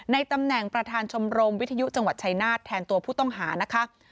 ตำแหน่งประธานชมรมวิทยุจังหวัดชายนาฏแทนตัวผู้ต้องหานะคะ